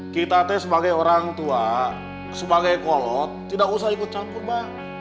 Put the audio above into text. kita teh sebagai orang tua sebagai kolot tidak usah ikut campur bang